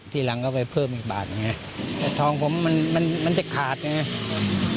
ทีหลังก็ไปเพิ่มอีกบาทไงแต่ทองผมมันมันมันจะขาดไงอืม